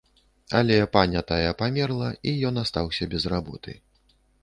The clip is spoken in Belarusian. Але паня тая памерла, і ён астаўся без работы.